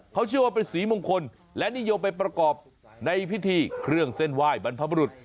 เขาเชื่อว่าเป็นสีมงคลและนิยมไปประกอบในพิธีเครื่องเส้นไหว้บรรพบรุษ